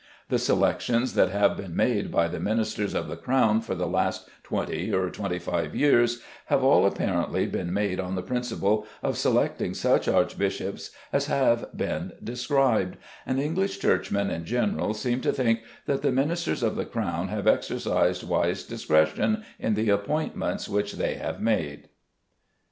The selections that have been made by the Ministers of the Crown for the last twenty or twenty five years have all apparently been made on the principle of selecting such archbishops as have been here described, and English Churchmen in general seem to think that the Ministers of the Crown have exercised wise discretion in the appointments which they have made.